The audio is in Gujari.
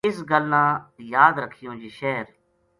اس گل نا یاد رکھیوں جے شہر